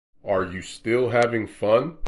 Are You Still Having Fun?